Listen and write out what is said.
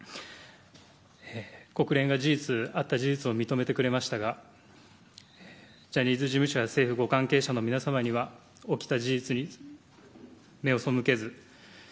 国連が、あった事実を認めてくれましたがジャニーズ事務所や政府ご関係者の皆様にはよしっ！